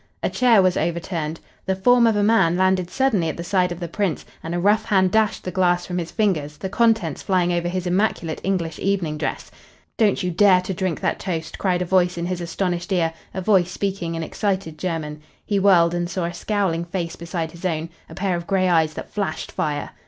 A chair was overturned. The form of a man landed suddenly at the side of the Prince and a rough hand dashed the glass from his fingers, the contents flying over his immaculate English evening dress. "Don't you dare to drink that toast!" cried a voice in his astonished ear, a voice speaking in excited German. He whirled and saw a scowling face beside his own, a pair of gray eyes that flashed fire.